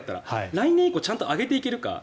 来年以降ちゃんと上げていけるか。